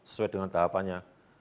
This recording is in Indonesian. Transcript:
sesuai dengan tahapannya